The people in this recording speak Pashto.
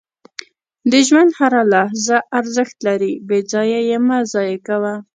• د ژوند هره لحظه ارزښت لري، بې ځایه یې مه ضایع کوه.